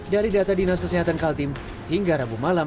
dari data dinas kesehatan kaltim hingga rabu malam